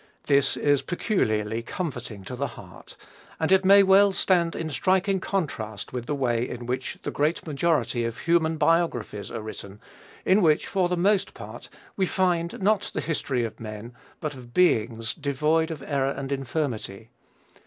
This is peculiarly comforting to the heart; and it may well stand in striking contrast with the way in which the great majority of human biographies are written, in which, for the most part, we find not the history of men, but of beings devoid of error and infirmity.